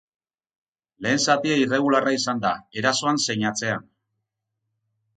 Lehen zatia irregularra izan da, erasoan zein atzean.